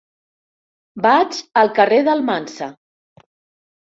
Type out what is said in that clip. Vaig al carrer d'Almansa.